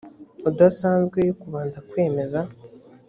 udasanzwe yo kubanza kwemeza